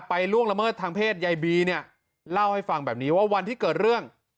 ล่วงละเมิดทางเพศยายบีเนี่ยเล่าให้ฟังแบบนี้ว่าวันที่เกิดเรื่อง